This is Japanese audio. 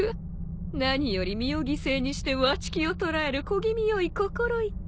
何より身を犠牲にしてわちきを捕らえる小気味よい心意気。